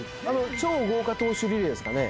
「超豪華投手リレー」ですかね。